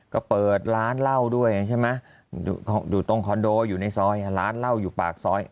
ก็เปิดร้านเหล้าด้วยใช่ไหมอยู่ตรงคอนโดอยู่ในซอยร้านเหล้าอยู่ปากซอย